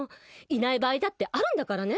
いない場合だってあるんだからね！